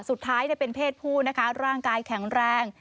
สุดท้ายเป็นเพศผู้นะคะร่างกายแข็งแรง